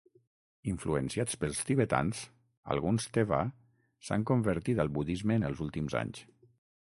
Influenciats pels Tibetans, alguns teva s'han convertit al budisme en els últims anys.